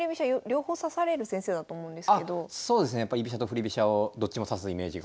そうですねやっぱ居飛車と振り飛車をどっちも指すイメージが。